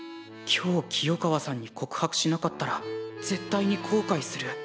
今日清川さんに告白しなかったら絶対にこうかいする。